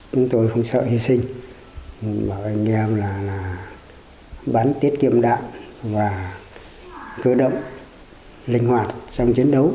chúng tôi không sợ hi sinh bảo anh em là bắn tiết kiệm đạn và cưới đống linh hoạt trong chiến đấu